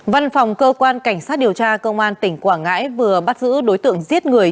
văn phòng cơ quan cảnh sát điều tra công an tỉnh quảng ngãi vừa bắt giữ đối tượng giết người